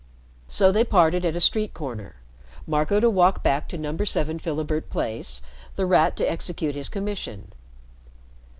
So they parted at a street corner, Marco to walk back to No. 7 Philibert Place, The Rat to execute his commission.